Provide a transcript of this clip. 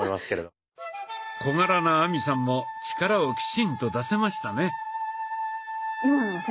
小柄な亜美さんも力をきちんと出せましたね。